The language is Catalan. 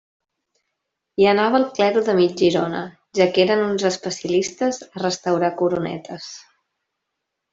Hi anava el clero de mig Girona, ja que eren uns especialistes a restaurar coronetes.